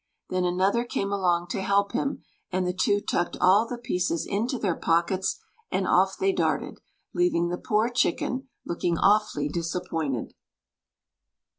Then another came along to help him, and the two tucked all the pieces into their pockets and off they darted, leaving the poor chicken looking awfully disappointed.